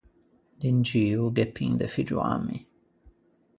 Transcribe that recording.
D’in gio gh’é pin de figgioammi.